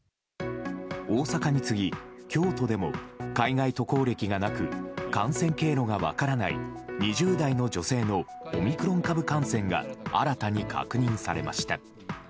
大阪に次ぎ、京都でも海外渡航歴がなく感染経路が分からない２０代の女性のオミクロン株感染が新たに確認されました。